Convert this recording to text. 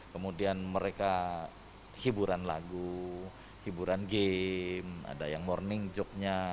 kemudian mereka hiburan lagu hiburan game ada yang morning joke nya